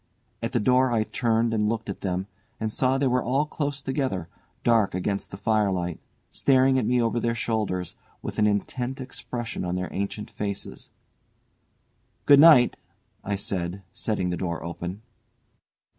At the door I turned and looked at them, and saw they were all close together, dark against the firelight, staring at me over their shoulders, with an intent expression on their ancient faces. "Good night," I said, setting the door open.